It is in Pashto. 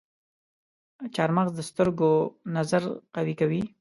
چارمغز د سترګو نظر قوي کوي.